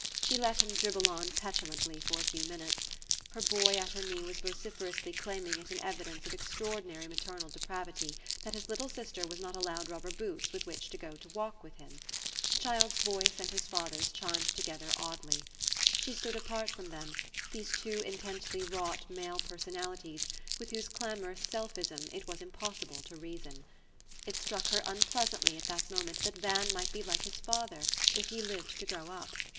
She let him dribble on petulantly for a few minutes. Her boy at her knee was vociferously claiming it an evi dence of extraordinary maternal depravity, that his little sister was not allowed rubber boots with which to go to walk with him. The child's voice and his father's chimed together oddly. She stood apart from them, these two intensely wrought male per sonalities, with whose clamorous selfism it was im possible to reason. It struck her unpleasantly at that moment that Van might be like his father, if he lived to grow up.